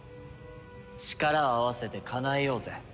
力を合わせてかなえようぜ。